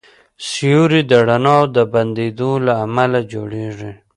سیوری د رڼا د بندېدو له امله جوړېږي.